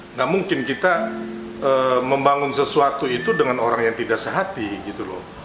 nggak mungkin kita membangun sesuatu itu dengan orang yang tidak sehati gitu loh